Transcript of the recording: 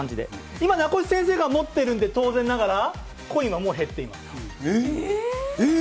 今、名越先生が持ってるんで、当然ながら、コインはもう減ってえー。